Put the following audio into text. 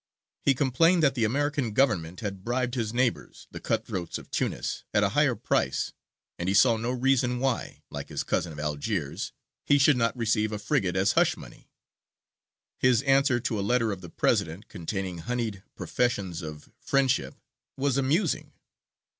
He complained that the American Government had bribed his neighbours, the cut throats of Tunis, at a higher price, and he saw no reason why, like his cousin of Algiers, he should not receive a frigate as hush money. His answer to a letter of the President, containing honeyed professions of friendship, was amusing.